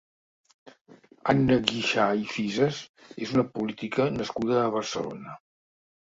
Anna Guixà i Fisas és una política nascuda a Barcelona.